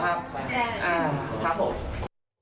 ใช่ครับ